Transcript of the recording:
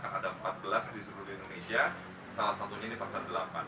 salah satunya ini pasar delapan